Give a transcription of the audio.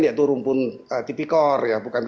yaitu rumpun tipikor